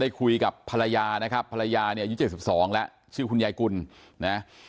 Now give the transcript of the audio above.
คุยกับภรรยานะครับภรรยาเนี่ยอายุ๗๒แล้วชื่อคุณยายกุลนะ